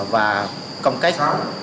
và công kết